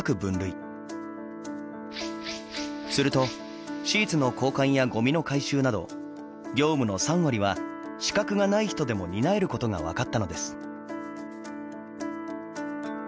するとシーツの交換やゴミの回収など業務の３割は資格がない人でも担えることが分かったのです。